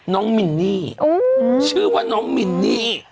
มินนี่ชื่อว่าน้องมินนี่